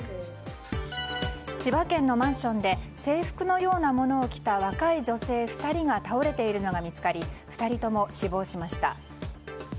千葉県のマンションで制服のようなものを着た若い女性２人が倒れているのが見つかり２人とも死亡しました。